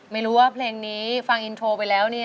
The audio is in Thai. ไม่รู้ว่าเพลงนี้ฟังอินโทรไปแล้ว